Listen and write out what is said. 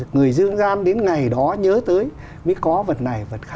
người dương gian đến ngày đó nhớ tới